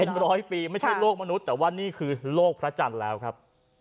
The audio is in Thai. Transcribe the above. เป็นร้อยปีไม่ใช่โลกมนุษย์แต่ว่านี่คือโลกพระจันทร์แล้วครับ